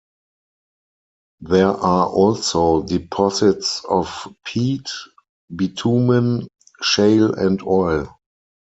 There are also deposits of peat, bitumen, shale and oil.